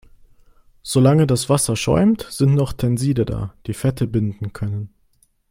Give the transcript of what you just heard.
Solange das Wasser schäumt, sind noch Tenside da, die Fette binden können.